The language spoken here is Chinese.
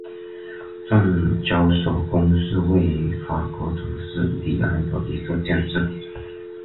证交所宫是位于法国城市里昂的一座建筑。